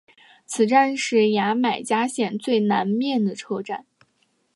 此站是牙买加线最东面的车站。